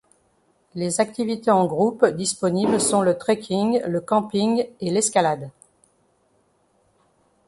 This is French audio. Les activités en groupe disponibles sont le trekking, le camping, et l’escalade.